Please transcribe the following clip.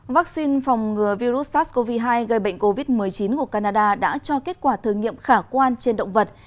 vaccine phòng ngừa virus sars cov hai gây bệnh covid một mươi chín của canada đã cho kết quả thử nghiệm khả quan trên động vật